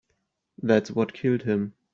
That's what killed him.